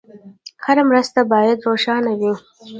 هره مرسته باید روښانه وي.